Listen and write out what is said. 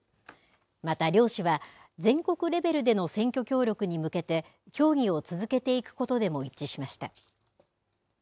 また両氏は、全国レベルでの選挙協力に向けて、協議を続けていくことでも一致しました。